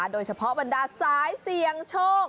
โดยเฉพาะวันดาสายเสี่ยงโชค